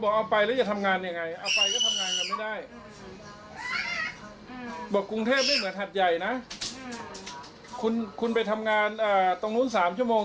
คุณไปทำงานตรงนู้น๓ชั่วโมง